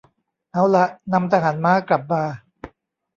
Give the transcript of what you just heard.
เอาล่ะ นำทหารม้ากลับมา